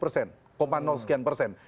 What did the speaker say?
sekian persen